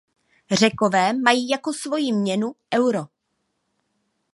Řekové mají jako svoji měnu euro.